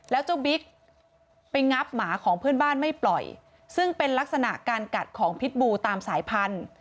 แล้วเจ้าบิ๊กไปงับหมาของเพื่อนบ้านไม่ปล่อยซึ่งเป็นลักษณะการกัดของพิษบูตามสายพันธุ์